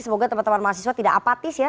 semoga teman teman mahasiswa tidak apatis ya